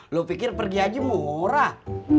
lu pikir pergi haji murah